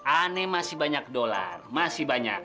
aneh masih banyak dolar masih banyak